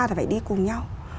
thì phải đi cùng nhau